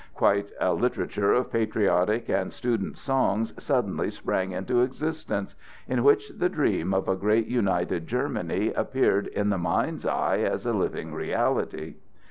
Quite a literature of patriotic and students' songs suddenly sprang into existence, in which the dream of a great united Germany appeared in the mind's eye as a living reality.